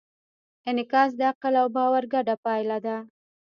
انعکاس د عقل او باور ګډه پایله ده.